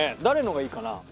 誰のがいいかな？